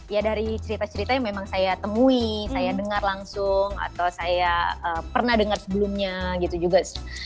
ya dari cerita cerita yang memang saya temui saya dengar langsung atau saya pernah dengar sebelumnya gitu juga